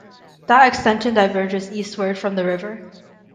That extension diverges eastward from the river.